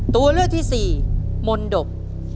ตัวเลือกที่สี่มนตบ